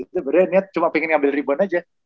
itu bener niat cuma pengen ambil ribuan aja